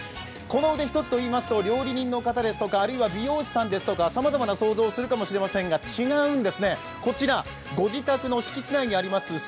この腕一つといいますと、料理人の方とか、あるいは美容師さんですとかさまざまな想像されるかもしれませんが違うんですね、こちら、ご自宅の敷地内にあります